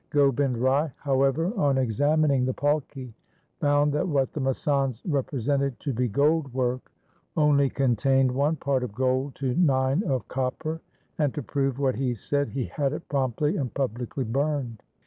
Gobind Rai, however, on examining the palki found that what the masands represented to be gold work only contained one part of gold to nine of copper, and to prove what he said he had it promptly and publicly burned.